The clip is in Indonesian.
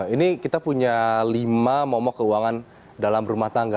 ini kita punya lima momok keuangan dalam rumah tangga